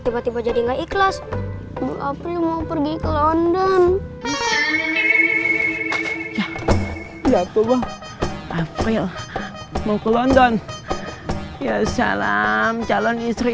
tiba tiba jadi nggak ikhlas mau pergi ke london ya ya tolong mau ke london ya salam calon istri